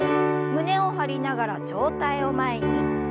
胸を張りながら上体を前に。